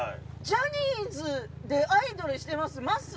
「ジャニーズでアイドルしてます